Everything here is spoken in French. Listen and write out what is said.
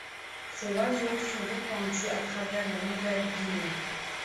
Ces oiseaux sont répandues à travers la Nouvelle-Guinée.